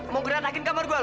mau geratakin kamar gue lu